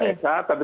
oke bang mel ti